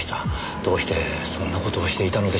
どうしてそんな事をしていたのでしょう。